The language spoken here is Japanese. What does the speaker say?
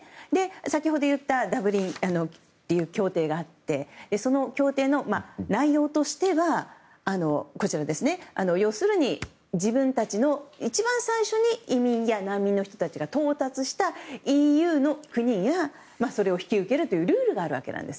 先ほど言ったダブリン協定があってその内容としては要するに自分たちの一番最初に移民や難民の人たちが到達したＥＵの国が引き受けるというルールがあるわけなんです。